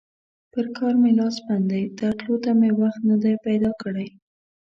پر کار مې لاس بند دی؛ درتلو ته مې وخت نه دی پیدا کړی.